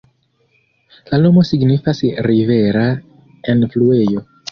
La nomo signifas "Rivera enfluejo".